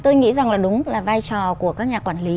tôi nghĩ rằng là đúng là vai trò của các nhà quản lý